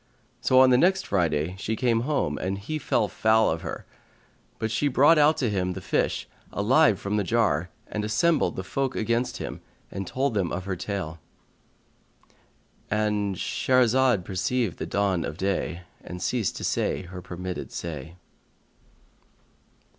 Now on the next Friday she came home and he fell foul of her; but she brought out to him the fish alive from the jar and assembled the folk against him and told them her tale.—And Shahrazad perceived the dawn of day and ceased to say her permitted say.